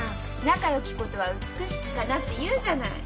「仲よきことは美しきかな」って言うじゃない。